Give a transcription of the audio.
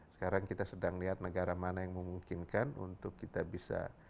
sekarang kita sedang lihat negara mana yang memungkinkan untuk kita bisa